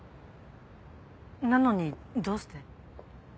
なのにどうして？